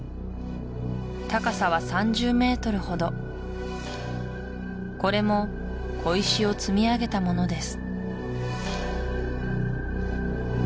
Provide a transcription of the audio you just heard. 高さは３０ｍほどこれも小石を積み上げたものです